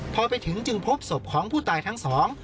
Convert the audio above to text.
พอไปถึงจึงพบศพของผู้ตายทั้งสอง